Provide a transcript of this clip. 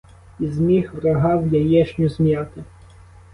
Ізміг врага в яєшню зм'яти.